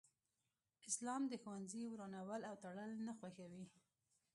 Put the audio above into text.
اسلام د ښوونځي ورانول او تړل نه خوښوي